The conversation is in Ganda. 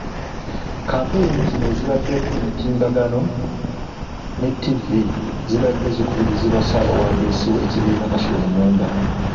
Kampeyini zino ezibadde ku mutimbagano ne Ttivi, zibadde zikubirizibwa ssabawandiisi w’ekibiina Kasule Lumumba.